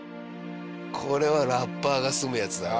これはラッパーが住むやつだな。